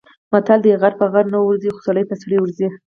متل دی: غر په غره نه ورځي، خو سړی په سړي ورځي.